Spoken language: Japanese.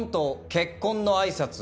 「結婚の挨拶」。